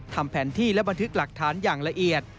ทำแผนที่และบันทึกหลักฐานอย่างละเอียด